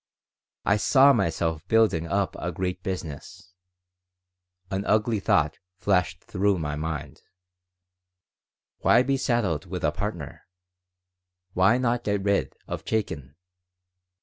I saw myself building up a great business. An ugly thought flashed through my mind: Why be saddled with a partner? Why not get rid of Chaikin?